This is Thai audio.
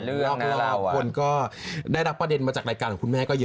คนก็ได้รับประเด็นมาจากรายการของคุณแม่ก็เยอะ